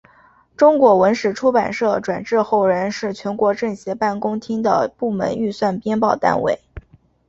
中国文史出版社转制后仍然是全国政协办公厅的部门预算编报单位。